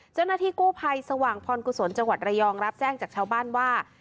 เจ้าหน้าที่กู้ภัยสว่างพรกุศลจังหวัดระยองรับแจ้งจากชาวบ้านว่า